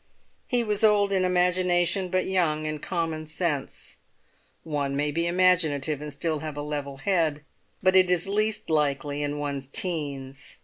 He was old in imagination, but young in common sense. One may be imaginative and still have a level head, but it is least likely in one's teens.